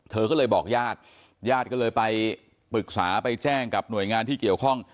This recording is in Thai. เธอก็เลยบอกญาติญาติก็เลยไปปรึกษาไปแจ้งกับหน่วยงานที่เกี่ยวข้อง